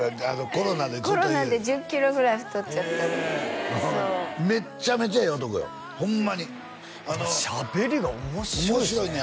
コロナでコロナで１０キロぐらい太っちゃっためっちゃめちゃええ男よホンマにしゃべりが面白いですね本当？